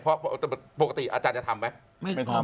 ปกติอาจารย์จะทำไหม